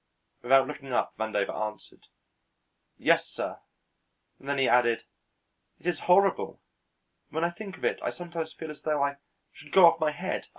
Without looking up, Vandover answered, "Yes, sir," and then he added, "It is horrible; when I think of it I sometimes feel as though I should go off my head.